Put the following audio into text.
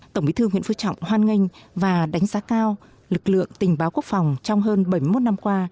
tổng bí thư nguyễn phú trọng hoan nghênh và đánh giá cao lực lượng tình báo quốc phòng trong hơn bảy mươi một năm qua